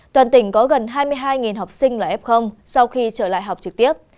toàn tỉnh có gần hai mươi hai học sinh là f sau khi trở lại học trực tiếp